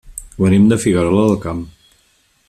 Venim de Figuerola del Camp.